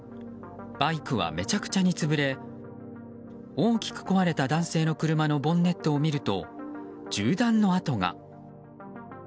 バイクは、めちゃくちゃに潰れ大きく壊れた男性の車のボンネットを見ると銃弾の跡が。